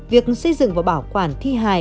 việc xây dựng và bảo quản thi hài